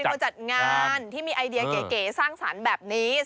คนจัดงานที่มีไอเดียเก๋สร้างสรรค์แบบนี้